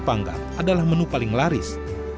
panggang adalah menu paling laris